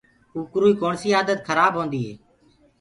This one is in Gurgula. ڪوڪروئي ڪوڻسي آدت خرآب هوندي هي